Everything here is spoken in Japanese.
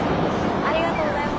ありがとうございます。